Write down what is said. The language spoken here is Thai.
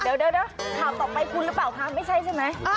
เดี๋ยวข่าวต่อไปคุณหรือเปล่าคะไม่ใช่ใช่ไหม